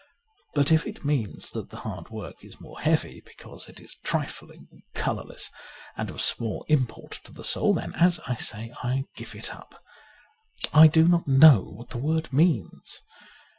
But if it means that the hard work is more heavy because it is trifling, colourless, and of small import to the soul, then, as I say, I give it up : I do not know what the word means.